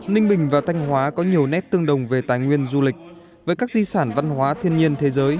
ninh bình và thanh hóa có nhiều nét tương đồng về tài nguyên du lịch với các di sản văn hóa thiên nhiên thế giới